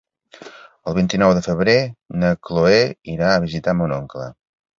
El vint-i-nou de febrer na Chloé irà a visitar mon oncle.